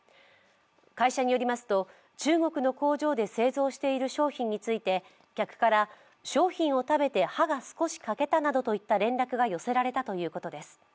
会社によりますと中国の工場で製造している商品について客から商品を食べて歯が少し欠けたなどといった連絡が寄せられたということです。